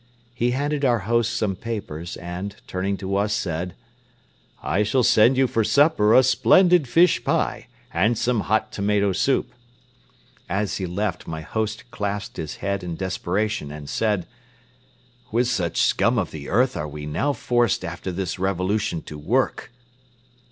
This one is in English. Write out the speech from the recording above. He handed our host some papers and, turning to us, said: "I shall send you for supper a splendid fish pie and some hot tomato soup." As he left, my host clasped his head in desperation and said: "With such scum of the earth are we now forced after this revolution to work!"